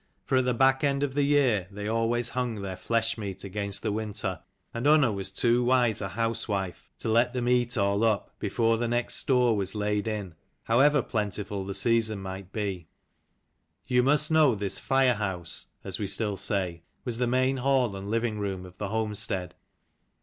For at the back end of the year they always hung their flesh meat against the winter, and Unna'was too wise a house wife to 5 let them eat all up before the next store was laid in, however plentiful the season might be. You must know this " firehouse " (as we still say) was the main hall and living room of the homestead.